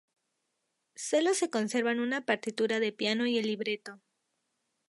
Sólo se conservan una partitura de piano y el libreto.